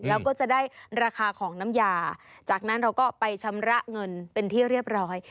แล้วก็จะได้ราคาของน้ำยาจากนั้นเราก็ไปชำระเงินเป็นที่เรียบร้อย